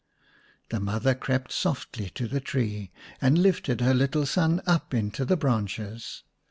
The mother crept softly to the tree and lifted her little son up into the branches.